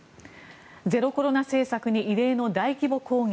ゼロコロナ政策に異例の大規模抗議。